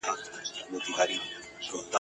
چا راته ویلي وه چي خدای دي ځوانیمرګ مه که !.